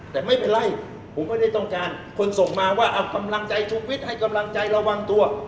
แต่ไม่เป็นไรผมไม่ได้ต้องการคนส่งมาว่าเอากำลังใจชุวิตให้กำลังใจระวังตัว